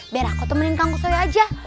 biar aku temenin tangguh soi aja